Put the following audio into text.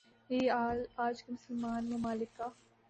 یہی حال آج کے مسلمان ممالک کا